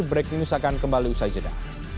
breaking news akan kembali usai jeda